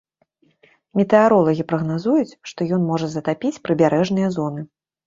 Метэаролагі прагназуюць, што ён можа затапіць прыбярэжныя зоны.